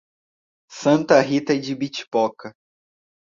Santa Rita de Ibitipoca